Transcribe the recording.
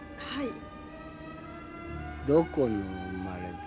はい。